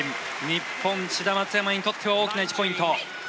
日本、志田・松山にとっては大きな１ポイント。